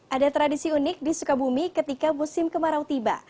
ada tradisi unik di sukabumi ketika musim kemarau tiba